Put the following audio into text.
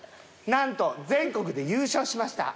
なんと全国で優勝しました。